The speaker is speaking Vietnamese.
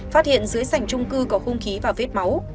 phát hiện dưới sảnh trung cư có khung khí và vết máu